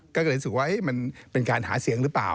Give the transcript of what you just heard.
ก็เลยรู้สึกว่ามันเป็นการหาเสียงหรือเปล่า